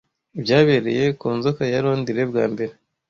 Ibyabereye ku nzoka ya Londres bwa mbere